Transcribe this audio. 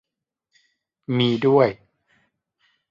มี ด้วย